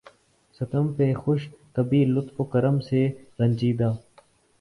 ستم پہ خوش کبھی لطف و کرم سے رنجیدہ